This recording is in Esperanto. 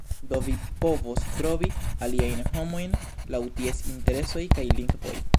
Do, vi povos trovi aliajn homojn laŭ ties interesoj kaj lingvoj